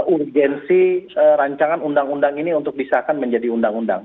urgensi rancangan undang undang ini untuk disahkan menjadi undang undang